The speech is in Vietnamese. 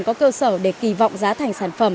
có cơ sở để kỳ vọng giá thành sản phẩm